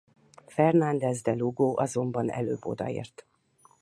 Fernández de Lugo azonban előbb odaért.